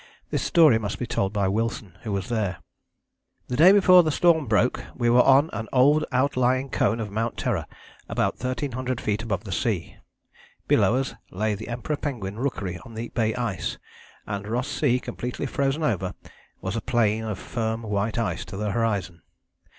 The story must be told by Wilson, who was there: "The day before the storm broke we were on an old outlying cone of Mount Terror, about 1300 feet above the sea. Below us lay the Emperor penguin rookery on the bay ice, and Ross Sea, completely frozen over, was a plain of firm white ice to the horizon.